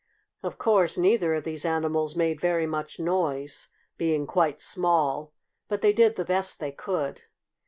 Of course neither of these animals made very much noise, being quite small, but they did the best they could.